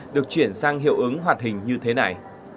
được chuyển sang hiệu ứng hoạt hình như thế này